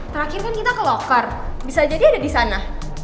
terakhir kan kita ke locar bisa jadi ada di sana